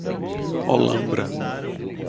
Holambra